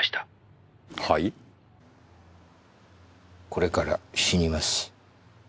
これから死にます。